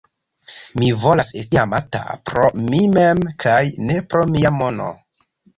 Mi volas esti amata pro mi mem kaj ne pro mia mono!